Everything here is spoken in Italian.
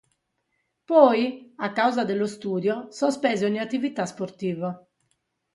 Poi, a causa dello studio, sospese ogni attività sportiva.